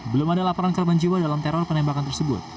belum ada laporan korban jiwa dalam teror penembakan tersebut